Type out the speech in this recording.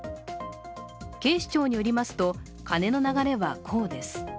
警視庁によりますと、カネの流れはこうです。